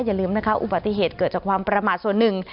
อย่าลืมนะคะอุบัติเหตุเกิดจากความประมาทส่วนหนึ่ง